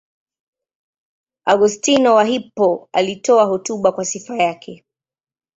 Augustino wa Hippo alitoa hotuba kwa sifa yake.